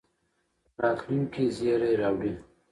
راتلونکي زېری راوړي.